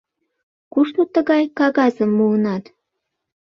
— Кушто тыгай кагазым муынат?